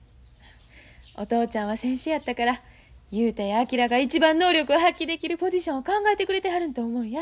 お父ちゃんは選手やったから雄太や昭が一番能力を発揮できるポジションを考えてくれてはるんと思うんや。